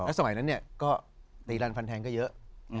แล้วสมัยนั้นเนี่ยก็ตีรันฟันแทงก็เยอะ